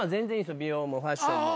美容もファッションも。